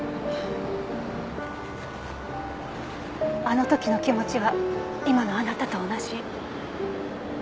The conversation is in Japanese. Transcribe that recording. あの時の気持ちは今のあなたと同じ。